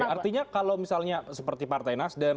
artinya kalau misalnya seperti partai nasdem